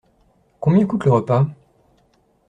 Combien coûte le repas ?